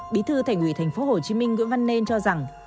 bí thư thành ủy tp hcm nguyễn văn nên cho rằng